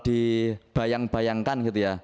dibayang bayangkan gitu ya